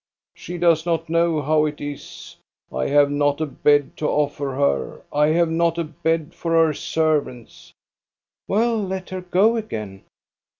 She does not know how it is. I have not a bed to offer her. I have not a bed for her servants !"" Well, let her go again."